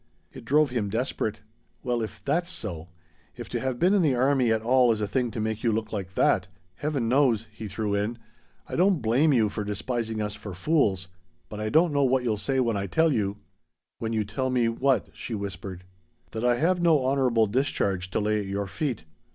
It drove him desperate. "Well if that's so if to have been in the army at all is a thing to make you look like that Heaven knows," he threw in, "I don't blame you for despising us for fools! But I don't know what you'll say when I tell you " "When you tell me what?" she whispered. "That I have no honorable discharge to lay at your feet.